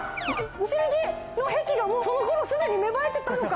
お尻好きの癖がもうその頃すでに芽生えてたというのか！